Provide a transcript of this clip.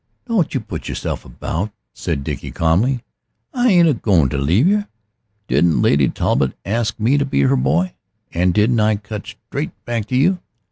"Don't you put yourself about," said Dickie calmly. "I ain't a goin' to leave yer. Didn't Lady Talbot ask me to be her boy and didn't I cut straight back to you?